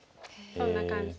そんな感じ。